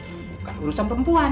ini bukan urusan perempuan